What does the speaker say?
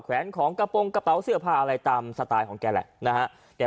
แขวนของกระเป๋าเสื้อผ้าอะไรตามสไตล์ของแกเนี่ย